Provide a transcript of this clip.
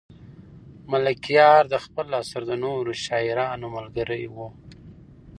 ملکیار د خپل عصر د نورو شاعرانو ملګری و.